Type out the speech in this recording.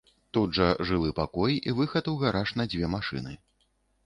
Тут жа жылы пакой і выхад у гараж на дзве машыны.